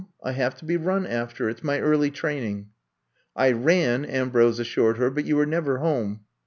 I have to be run after. It 's my early training.'* I ran," Ambrose assured her. But you were never home.